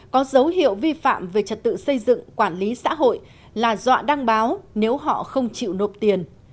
có dấu hiệu vi phạm về trật tự xây dựng quản lý xã hội là dọa đăng báo nếu họ không chịu nộp tiền